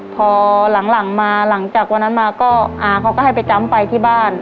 พอหลังมาหลังจากวันนั้นมาก็อาเขาก็ให้ไปจำไปที่บ้าน